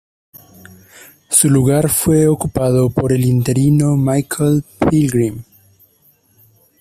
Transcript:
Su lugar fue ocupado por el interino Michael Pilgrim.